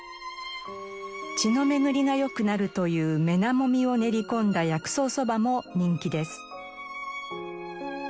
血の巡りが良くなるというメナモミを練り込んだ薬草そばも人気です。